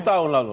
tujuh tahun lalu